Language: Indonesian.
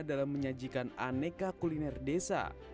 dalam menyajikan aneka kuliner desa